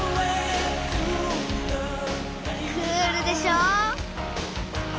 クールでしょ。